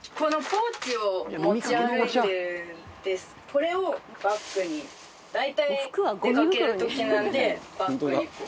これをバッグに大体出かける時なんでバッグにこう。